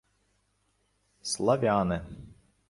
— Славяне.